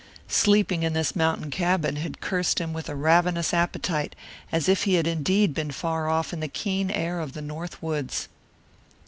Sleeping in this mountain cabin had cursed him with a ravenous appetite, as if he had indeed been far off in the keen air of the North Woods.